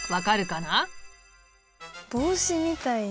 帽子みたいな。